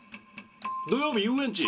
「土曜日遊園地？